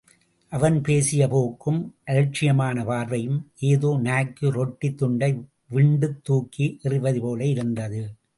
அவன் பேசிய போக்கும் அலட்சியமான பார்வையும் ஏதோ நாய்க்கு ரொட்டித் துண்டை விண்டுத் தூக்கி எறிவது போல் இருந்தது.